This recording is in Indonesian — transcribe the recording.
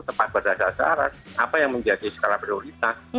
tepat berdasar dasar apa yang menjadi skala prioritas